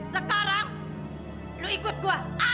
sekarang lu ikut gue